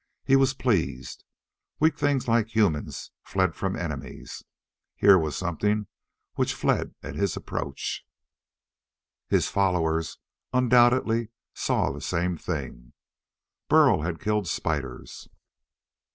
He was pleased. Weak things like humans fled from enemies. Here was something which fled at his approach! His followers undoubtedly saw the same thing. Burl had killed spiders.